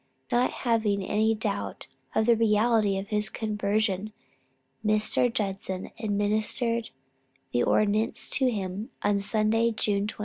Not having any doubt of the reality of his conversion, Mr. Judson administered the ordinance to him on Sunday, June 21.